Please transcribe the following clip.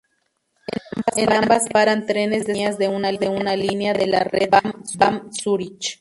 En ambas paran trenes de cercanías de una línea de la red S-Bahn Zúrich.